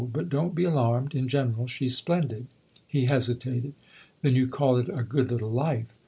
But don't be alarmed. In general she's splendid." He hesitated. "Then you call it a good little life